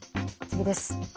次です。